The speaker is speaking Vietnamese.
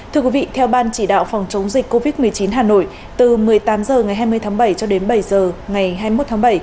thưa quý vị theo ban chỉ đạo phòng chống dịch covid một mươi chín hà nội từ một mươi tám h ngày hai mươi tháng bảy cho đến bảy h ngày hai mươi một tháng bảy